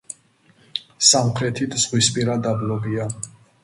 სამხრეთით ზღვისპირა დაბლობია.